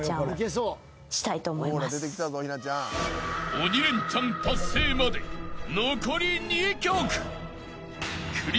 ［鬼レンチャン達成まで残り２曲］